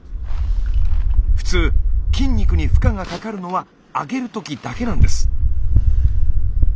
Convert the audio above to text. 普通筋肉に負荷がかかるのは上げるときだけなんです。